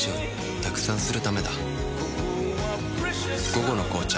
「午後の紅茶」